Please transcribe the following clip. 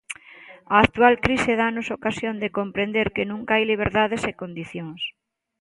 A actual crise dános ocasión de comprender que nunca hai liberdade sen condicións.